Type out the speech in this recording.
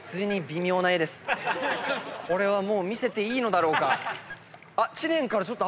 これは見せていいのだろうか？